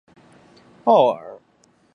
奥尔人口变化图示